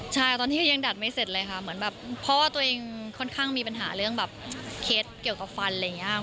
จัดไม่เสร็จเลยค่ะเพราะว่าตัวเองค่อนข้างมีปัญหาเรื่องแบบเคล็ดเกี่ยวกับฟันอะไรอย่างนี้